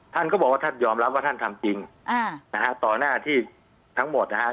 ท่านก็บอกว่าท่านยอมรับว่าท่านทำจริงนะฮะต่อหน้าที่ทั้งหมดนะฮะ